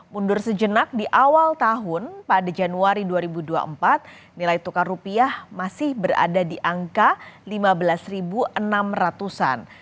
mundur sejenak di awal tahun pada januari dua ribu dua puluh empat nilai tukar rupiah masih berada di angka lima belas enam ratus an